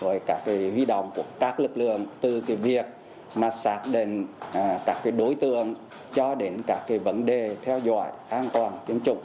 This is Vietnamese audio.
với các huy động của các lực lượng từ việc xác định các đối tượng cho đến các vấn đề theo dõi an toàn tiêm chủng